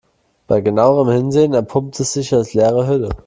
Bei genauerem Hinsehen entpuppt es sich als leere Hülle.